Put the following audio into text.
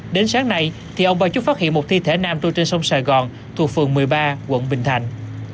đến sáng nay ông bà trúc phát hiện một thi thể nam trôi trên sông sài gòn thuộc phường một mươi ba quận bình thạnh